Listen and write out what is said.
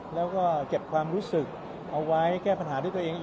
แล้วก็เก็บความรู้สึกเอาไว้แก้ปัญหาด้วยตัวเอง